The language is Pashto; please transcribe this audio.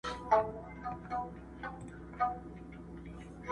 نه مشکل ورته معلوم سو د خوارانو!!